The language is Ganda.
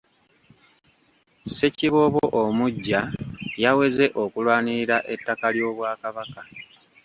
Ssekiboobo omuggya yaweze okulwanirira ettaka ly'Obwakabaka.